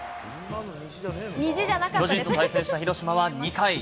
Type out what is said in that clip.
巨人と対戦した広島は２回。